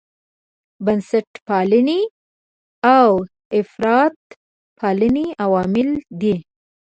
بنسټپالنې او افراطپالنې عوامل دي.